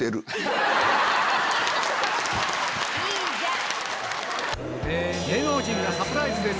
いいじゃん！